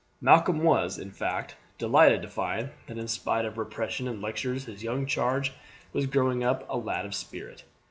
Malcolm was, in fact, delighted to find, that in spite of repression and lectures his young charge was growing up a lad of spirit.